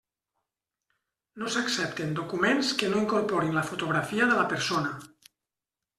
No s'accepten documents que no incorporin la fotografia de la persona.